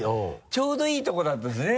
ちょうどいいところだったしね。